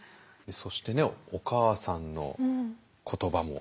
そしてねお母さんの言葉も。